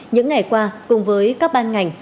những ngày qua cùng với các ban ngành